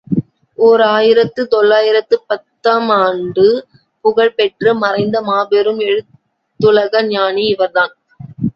ஓர் ஆயிரத்து தொள்ளாயிரத்து பத்து ஆம் ஆண்டு புகழ் பெற்று மறைந்த மாபெரும் எழுத்துலக ஞானி இவர்தான்.